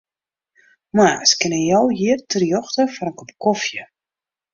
Moarns kinne jo hjir terjochte foar in kop kofje.